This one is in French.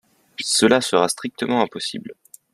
Cela sera strictement impossible.